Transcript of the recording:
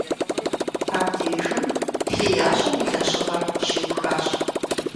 Абдежым хеящӀэм и лэжьыгъэр щиухащ.